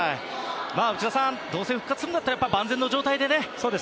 内田さん、どうせ復活するならやっぱり万全の状態でね。